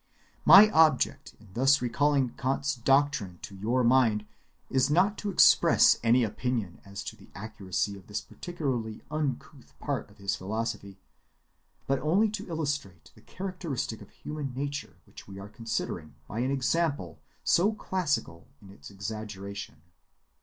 My object in thus recalling Kant's doctrine to your mind is not to express any opinion as to the accuracy of this particularly uncouth part of his philosophy, but only to illustrate the characteristic of human nature which we are considering, by an example so classical in its exaggeration.